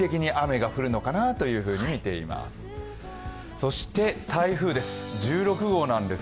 そして、台風です。